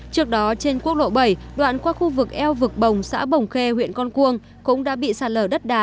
trước đó trên quốc lộ bảy đoạn qua khu vực eo vực bồng xã bồng khê huyện con cuông cũng đã bị sạt lở đất đá